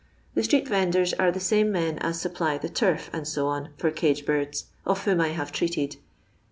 The street vendors are the same men as supply the turf, dtc., for cage birds, of whom I have treated, p.